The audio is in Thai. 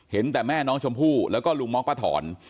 เห็นแต่แม่น้องชมพู่แล้วก็ลุงม็อกป้าถอน